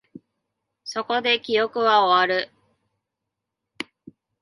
そこで、記憶は終わる